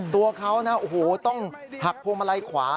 ตัวเขาต้องหักพ่วงมาลัยขวา